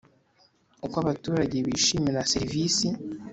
Uko abaturage bishimira serivisi